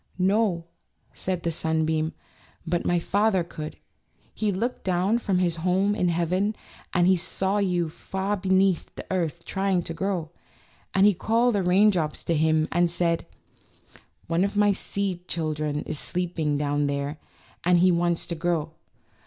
"No," said the sunbeam, "but my Father could. He looked down from his home in heaven, and he saw you far beneath the earth trying to grow, and he called the rain drops to him and said: ^One of my seed children is sleeping down there, and he wants to grow.